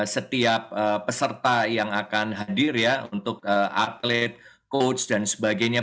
setiap peserta yang akan hadir ya untuk atlet coach dan sebagainya